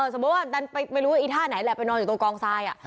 สมมติว่าไม่รู้ไอ้ท่าไหนแหละไปนอนอยู่ตรงกองทราย